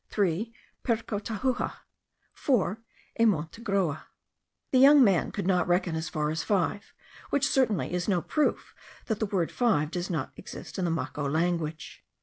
Three, Percotahuja. Four, Imontegroa. The young man could not reckon as far as five, which certainly is no proof that the word five does not exist in the Maco tongue.